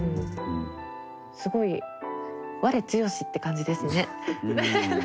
すごい我強しって感じですね。